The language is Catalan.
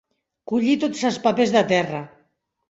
Collir tots els papers de terra.